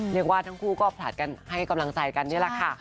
เรียกว่าทั้งคู่ก็ผลัดกันให้กำลังใจกันนี่แหละค่ะ